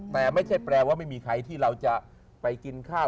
แต่ไม่ใช่แปลว่าไม่มีใครที่เราจะไปกินข้าว